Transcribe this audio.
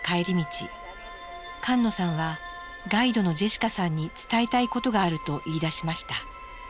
菅野さんはガイドのジェシカさんに伝えたいことがあると言いだしました。